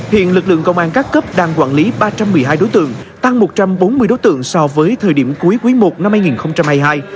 hiện lực lượng công an các cấp đang quản lý ba trăm một mươi hai đối tượng tăng một trăm bốn mươi đối tượng so với thời điểm cuối quý i năm hai nghìn hai mươi hai